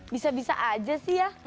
bisa bisa aja sih ya